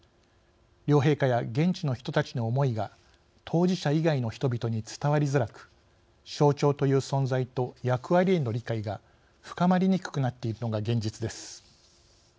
両陛下や現地の人たちの思いが当事者以外の人々に伝わりづらく象徴という存在と役割への理解が深まりにくくなっているのが現実です。